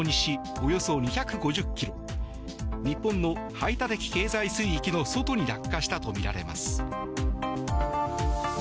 およそ２５０ｋｍ日本の排他的経済水域の外に落下したとみられます。